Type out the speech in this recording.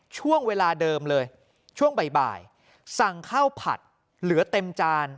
ช่วงเวลาเดิมเลยช่วงบ่ายสั่งข้าวผัดเหลือเต็มจาน